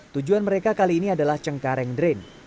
tujuan mereka kali ini adalah cengkareng drain